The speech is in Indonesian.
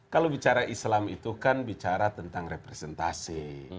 kalau bicara islam itu kan bicara tentang representasi